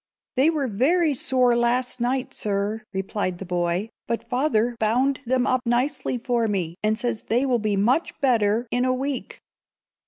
"They were very sore last night, Sir," replied the boy; "but father bound them up nicely for me, and says they will be much better in a week."